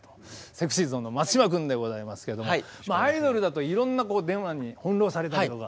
ＳｅｘｙＺｏｎｅの松島君でございますけれどもアイドルだといろんなデマに翻弄されたりとか。